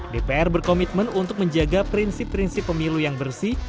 dpr berkomitmen untuk menjaga prinsip prinsip pemilu yang bersih